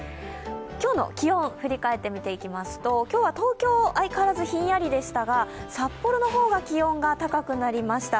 今日の気温、振り返って見ていきますと今日は東京、相変わらずひんやりでしたが、札幌の方が気温が高くなりました。